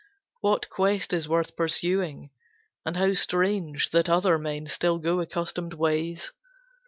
What quest is worth pursuing? And how strange That other men still go accustomed ways!